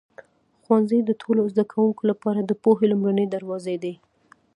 ښوونځی د ټولو زده کوونکو لپاره د پوهې لومړنی دروازه دی.